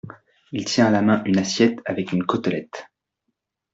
Il tient à la main une assiette avec une côtelette.